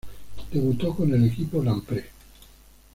Debutó con el equipo Lampre.